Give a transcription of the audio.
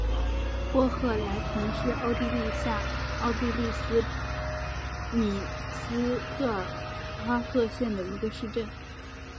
霍赫莱滕是奥地利下奥地利州米斯特尔巴赫县的一个市镇。